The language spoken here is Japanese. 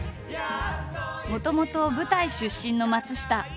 もともと舞台出身の松下。